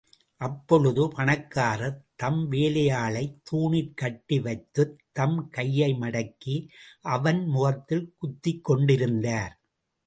அப்பொழுது பணக்காரர் தம் வேலையாளைத் தூணிற் கட்டி வைத்துத் தம் கையை மடக்கி, அவன் முகத்தில் குத்திக் கொண்டிருந்தார்.